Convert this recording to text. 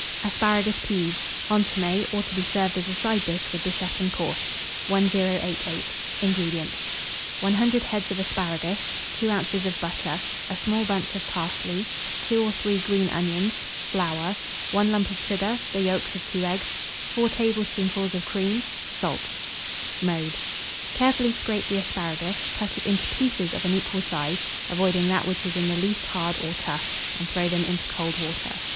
ASPARAGUS PEAS. (Entremets, or to be served as a Side dish with the Second Course.) 1088. INGREDIENTS. 100 heads of asparagus, 2 oz. of butter, a small bunch of parsley, 2 or 3 green onions, flour, 1 lump of sugar, the yolks of 2 eggs, 4 tablespoonfuls of cream, salt. Mode. Carefully scrape the asparagus, cut it into pieces of an equal size, avoiding that which is in the least hard or tough, and throw them into cold water.